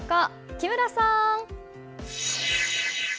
木村さん！